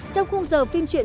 trong khung giờ phim truyện